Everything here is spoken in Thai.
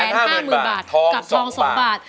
๕๐๐๐บาทกับทอง๒บาท